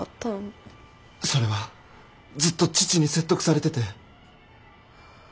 それはずっと父に説得されてて。